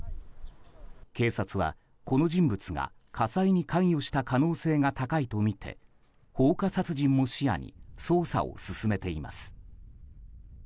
警察はこの人物が火災に関与した可能性が高いとみて放火殺人も視野に捜査を進めています。